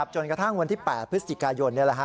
จนกระทั่งวันที่๘พฤศจิกายน